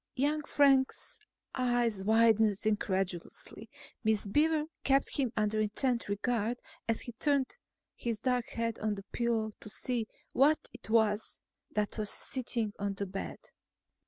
Young Frank's eyes widened incredulously. Miss Beaver kept him under intent regard as he turned his dark head on the pillow to see what it was that was sitting on the bed.